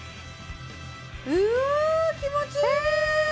うわ気持ちいいえっ！